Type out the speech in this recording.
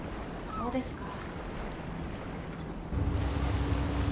そうですか。